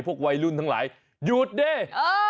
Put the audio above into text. พวกรุงวิบาทไว้รุ่นทั้งหลายหยุดด้วย